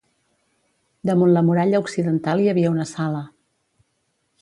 Damunt la muralla occidental hi havia una sala.